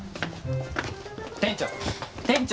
店長店長！